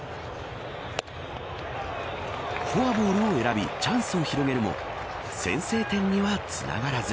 フォアボールを選びチャンスを広げるも先制点にはつながらず。